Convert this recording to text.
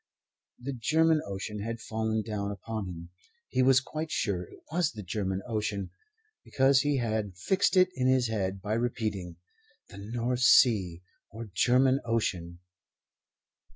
The German Ocean had fallen down upon him. He was quite sure it was the German Ocean, because he had fixed it in his head by repeating "the North Sea or German Ocean."